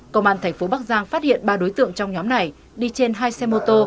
công an thành phố bắc giang phát hiện ba đối tượng trong nhóm này đi trên hai xe mô tô